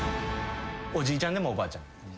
おじいちゃんでもおばあちゃんでも。